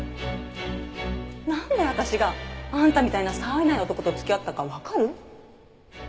なんで私があんたみたいな冴えない男と付き合ったかわかる？